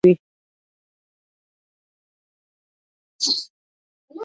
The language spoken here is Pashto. یوازې فردوسي یې صفت کوي.